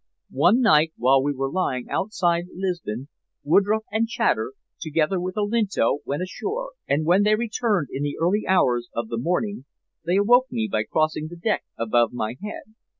One night, while we were lying outside Lisbon, Woodroffe and Chater, together with Olinto, went ashore, and when they returned in the early hours of the morning they awoke me by crossing the deck above my head.